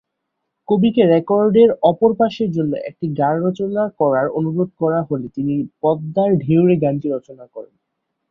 কবিকে রেকর্ডের অপর পাশের জন্য একটি গান রচনা করার অনুরোধ করা হলে তিনি "পদ্মার ঢেউ রে" গানটি রচনা করেন।